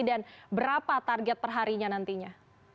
dan berapa target perharinya nantinya